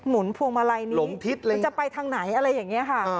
นพวงมาลัยนี้มันจะไปทางไหนอะไรอย่างนี้ค่ะ